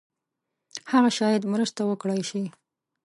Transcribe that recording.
هغه شاید مرسته وکړای شي.